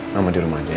mama di rumah aja ya